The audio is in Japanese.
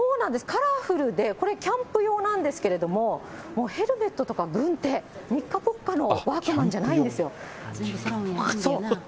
カラフルで、これ、キャンプ用なんですけれども、もうヘルメットとか軍手、ニッカポッカのワークマンじゃないんですよ。